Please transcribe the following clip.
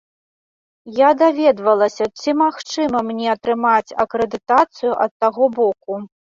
Я даведвалася, ці магчыма мне атрымаць акрэдытацыю ад таго боку.